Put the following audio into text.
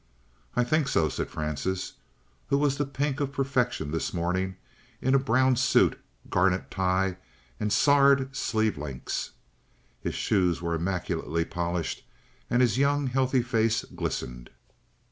"I think so," said Francis, who was the pink of perfection this morning in a brown suit, garnet tie, and sard sleeve links. His shoes were immaculately polished, and his young, healthy face glistened.